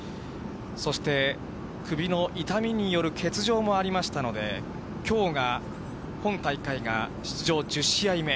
そして、首の痛みによる欠場もありましたので、きょうが、本大会が出場１０試合目。